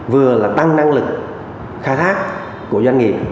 vừa là tăng năng lực khai thác của doanh nghiệp